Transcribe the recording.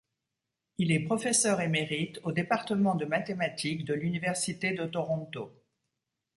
Il est professeur émérite au Département de Mathématiques de l'Université de Toronto.